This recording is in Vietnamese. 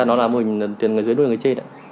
nó là tiền người dưới đối với người trên